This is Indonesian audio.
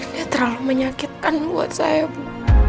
ini terlalu menyakitkan buat saya bu